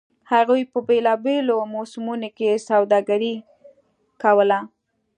هغوی په بېلابېلو موسمونو کې سوداګري کوله.